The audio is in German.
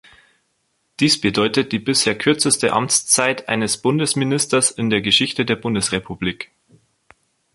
Dies bedeutet die bisher kürzeste Amtszeit eines Bundesministers in der Geschichte der Bundesrepublik.